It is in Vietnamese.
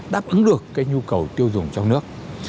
đáp ứng được cái nhu cầu tiêu dùng trong nước